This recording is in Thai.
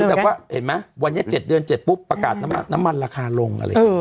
เห็นไหมวันนี้๗เดือน๗ปุ๊บประกาศน้ำมันราคาลง